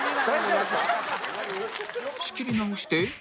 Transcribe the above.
仕切り直して